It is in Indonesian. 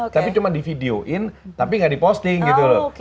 tapi cuma di videoin tapi nggak di posting gitu loh